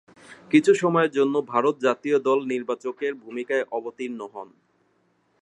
কিছু সময়ের জন্যে ভারত জাতীয় দল নির্বাচকের ভূমিকায় অবতীর্ণ হন।